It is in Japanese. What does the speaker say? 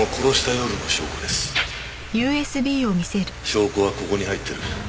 証拠はここに入ってる。